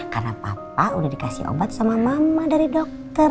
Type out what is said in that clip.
karena papa udah dikasih obat sama mama dari dokter